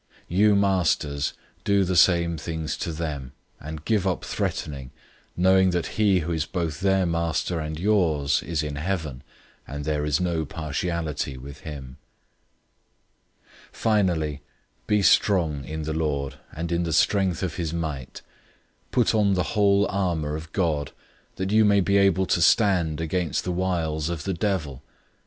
006:009 You masters, do the same things to them, and give up threatening, knowing that he who is both their Master and yours is in heaven, and there is no partiality with him. 006:010 Finally, be strong in the Lord, and in the strength of his might. 006:011 Put on the whole armor of God, that you may be able to stand against the wiles of the devil.